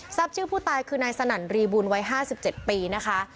ชื่อผู้ตายคือนายสนั่นรีบูลวัย๕๗ปีนะคะ